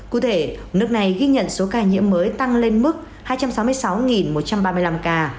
cụ thể nước này ghi nhận số ca nhiễm mới tăng lên mức hai trăm sáu mươi sáu một trăm ba mươi năm ca